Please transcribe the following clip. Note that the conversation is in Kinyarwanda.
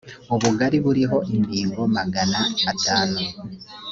ubugari buriho imbingo magana atanu.